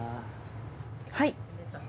はい。